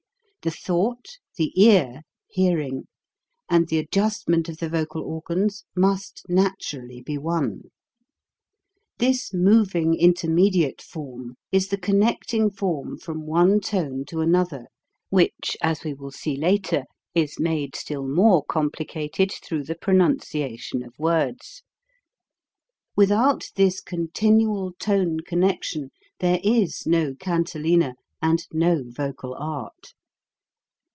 The thought, the ear (hearing), and the adjust ment of the vocal organs must naturally be one ! This moving intermediate form is the connecting form from one tone to another which, as we will see later, is made still more complicated through the pronunciation of words. Without this continual tone connec tion there is no cantilena and no vocal art.